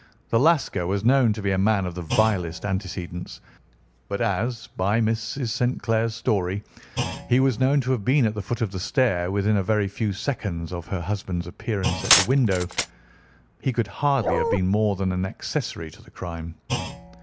The Lascar was known to be a man of the vilest antecedents, but as, by Mrs. St. Clair's story, he was known to have been at the foot of the stair within a very few seconds of her husband's appearance at the window, he could hardly have been more than an accessory to the crime.